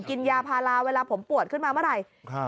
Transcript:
กินยาพาราเวลาผมปวดขึ้นมาเมื่อไหร่